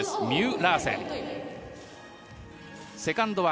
ミュー・ラーセン。